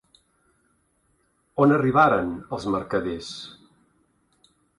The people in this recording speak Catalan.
On arribaren els mercaders?